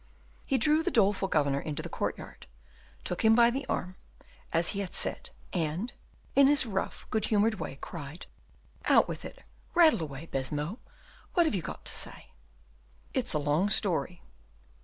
He drew the doleful governor into the courtyard, took him by the arm as he had said, and, in his rough, good humored way, cried: "Out with it, rattle away, Baisemeaux; what have you got to say?" "It's a long story."